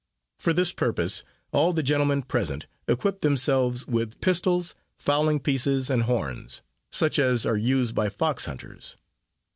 For this purpose all the gentlemen present equipped themselves with pistols, fowling pieces, and horns such as are used by fox hunters.